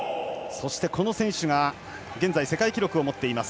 そして、この選手が現在世界記録を持っています